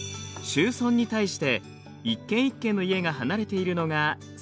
集村に対して一軒一軒の家が離れているのが散村です。